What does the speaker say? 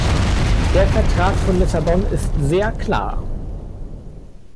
Der Vertrag von Lissabon ist sehr klar.